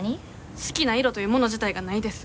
好きな色というもの自体がないです。